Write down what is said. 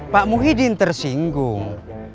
pak muhyiddin tersinggung